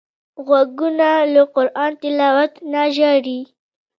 غوږونه له قران تلاوت نه ژاړي